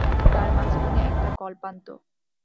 তার মাঝখানে একটা কল্পান্ত।